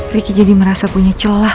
ricky jadi merasa punya celah